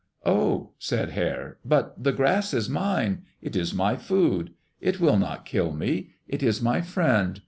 "Oh," said Hare, "but the grass is mine. It is my food; it will not kill me. It is my friend.